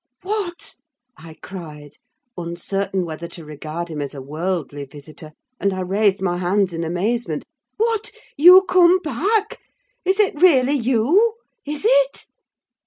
"What!" I cried, uncertain whether to regard him as a worldly visitor, and I raised my hands in amazement. "What! you come back? Is it really you? Is it?"